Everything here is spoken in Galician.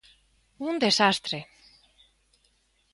¡Un desastre!